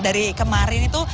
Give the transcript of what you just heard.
dari kemarin itu